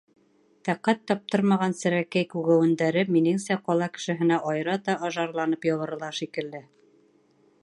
Тәҡәт таптырмаған серәкәй-күгәүендәре, минеңсә, ҡала кешеһенә айырата ажарланып ябырыла шикелле.